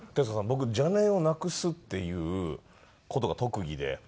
僕邪念をなくすっていう事が特技で。